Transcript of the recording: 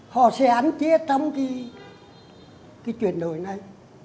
họ sẽ án chế trong cái chuyển đổi này